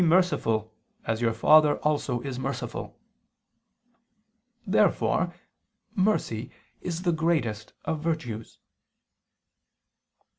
. merciful, as your Father also is merciful." Therefore mercy is the greatest of virtues.